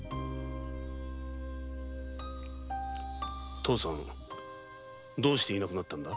お糸父さんはどうしていなくなったんだ？